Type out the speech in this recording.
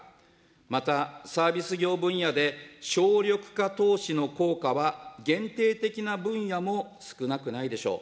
また、サービス業分野で省力化投資の効果は限定的な分野も少なくないでしょう。